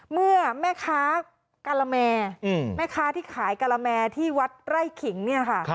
เมื่อแม่ค้ากะละแมแม่ค้าที่ขายกะละแมที่วัดไร่ขิงเนี่ยค่ะ